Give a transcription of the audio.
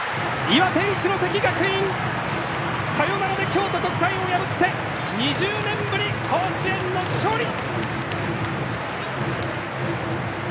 岩手・一関学院サヨナラで京都国際を破って２０年ぶり甲子園の勝利！